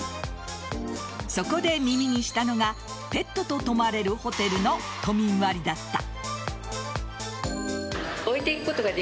そこで耳にしたのがペットと泊まれるホテルの都民割だった。